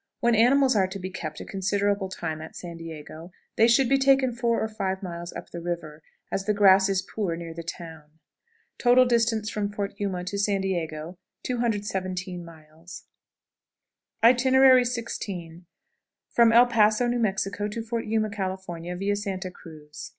When animals are to be kept a considerable time at San Diego, they should be taken four or five miles up the river, as the grass is poor near the town. Total distance from Fort Yuma to San Diego, 217 miles. XVI. From El Paso, New Mexico, to Fort Yuma, California, via _Santa Cruz.